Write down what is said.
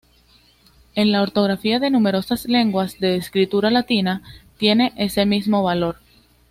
En la ortografía de numerosas lenguas de escritura latina, tiene ese mismo valor.